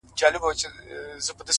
هره لاسته راوړنه د زحمت نښه ده’